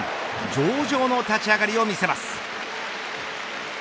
上々の立ち上がりを見せます。